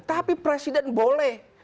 tapi presiden boleh